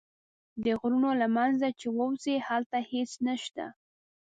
د غرونو له منځه چې ووځې هلته هېڅ نه شته.